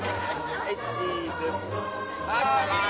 はいチーズ。